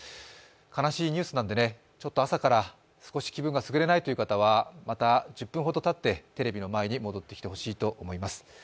悲しいニュースなので、朝から気分がすぐれないという方はまた１０分ほどたって、テレビの前に戻ってきてほしいと思います。